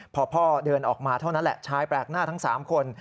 พอพ่อเดินออกมาเท่านั้นแหละชายแปลกหน้าทั้ง๓คน